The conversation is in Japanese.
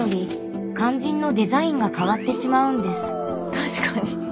確かに。